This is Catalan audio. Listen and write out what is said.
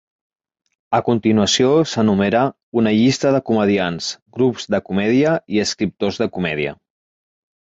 A continuació s'enumera una llista de comediants, grups de comèdia i escriptors de comèdia.